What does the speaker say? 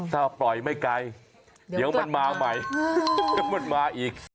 ถ้าปล่อยไม่ไกลเดี๋ยวมันมาใหม่เดี๋ยวมันมาอีก